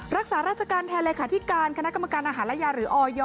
รักษาราชการแทนเลขาธิการคณะกรรมการอาหารและยาหรือออย